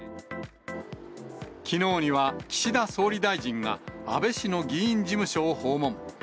きのうには岸田総理大臣が、安倍氏の議員事務所を訪問。